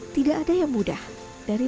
tidak ada yang mudah dari